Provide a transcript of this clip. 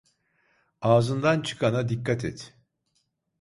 Ağzından çıkana dikkat et.